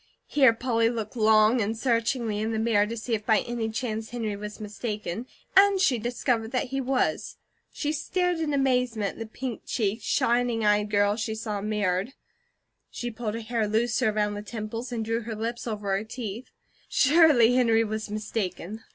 Here Polly looked long and searchingly in the mirror to see if by any chance Henry was mistaken, and she discovered he was. She stared in amazement at the pink cheeked, shining eyed girl she saw mirrored. She pulled her hair looser around the temples, and drew her lips over her teeth. Surely Henry was mistaken.